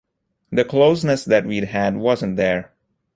The closeness that we'd had wasn't there.